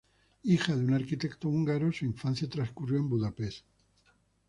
Hija de un arquitecto húngaro su infancia transcurrió en Budapest.